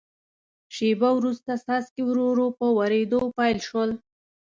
شیبه وروسته څاڅکي ورو ورو په ورېدو پیل شول.